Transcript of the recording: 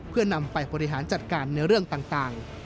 เพื่อนำไปบริหารจัดการในเรื่องต่าง